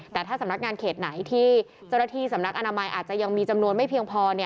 แต่ถ้าสำนักงานเขตไหนที่เจ้าหน้าที่สำนักอนามัยอาจจะยังมีจำนวนไม่เพียงพอ